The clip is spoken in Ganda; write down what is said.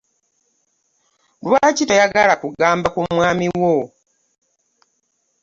Lwaki toyagala kugamba ku mwami wo?